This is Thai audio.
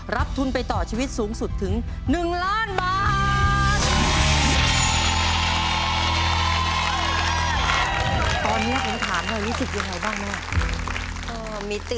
ทุนไปต่อชีวิตสูงสุดถึง๑ล้านบาท